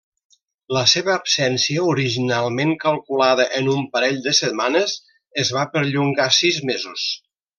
La seva absència, originalment calculada en un parell de setmanes, es va perllongar sis mesos.